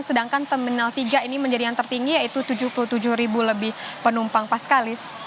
sedangkan terminal tiga ini menjadi yang tertinggi yaitu tujuh puluh tujuh ribu lebih penumpang paskalis